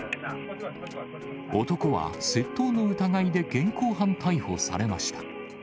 男は窃盗の疑いで現行犯逮捕されました。